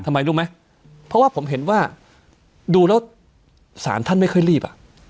ทำไมรู้ไหมเพราะว่าผมเห็นว่าดูแล้วศาลท่านไม่ค่อยรีบอ่ะ